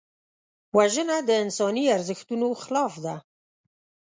وژنه د انساني ارزښتونو خلاف ده